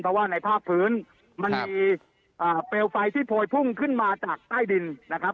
เพราะว่าในภาคพื้นมันมีเปลวไฟที่โพยพุ่งขึ้นมาจากใต้ดินนะครับ